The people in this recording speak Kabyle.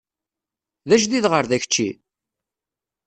D ajdid ɣer da kečči?